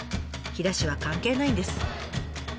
飛騨市は関係ないんです。